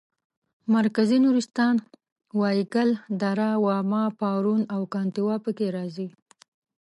مرکزي نورستان وایګل دره واما پارون او کنتیوا پکې راځي.